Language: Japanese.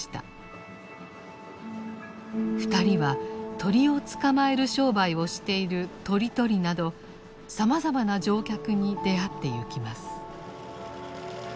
２人は鳥を捕まえる商売をしている「鳥捕り」などさまざまな乗客に出会ってゆきます。